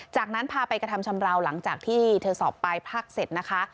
จากนั้นพาไปกระทำชำราวหลังจากที่เธอสอบปลายภาคเสร็จนะคะ